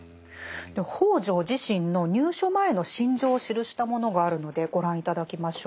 北條自身の入所前の心情を記したものがあるのでご覧頂きましょう。